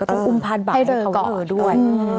ก็ต้องอุ้มพาดบ่ายเขาด้วย